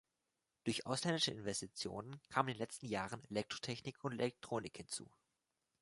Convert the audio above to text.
Durch ausländische Investitionen kam in den letzten Jahren Elektrotechnik und Elektronik hinzu.